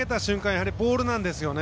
やはりボールなんですね。